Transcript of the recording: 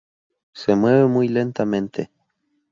Se mueve muy lentamente.